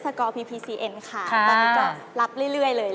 ตอนนี้ก็รับเรื่อยเลย